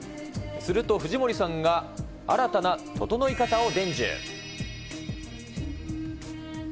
すると、藤森さんが新たなととのい方を伝授。